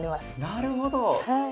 なるほど。